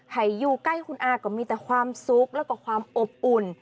ให้อยู่ใกล้คุณอาก็มีแต่ความสุขแล้วก็ความอบอุ่น